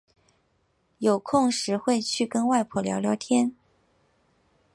有空时会去跟外婆聊聊天